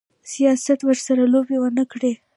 سیاست ورسره لوبې ونه کړي.